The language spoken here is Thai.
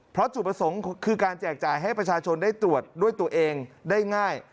เพราะจุดประสงค์คือการแจกจ่ายให้ประชาชนได้ตรวจด้วยตัวเองได้ง่าย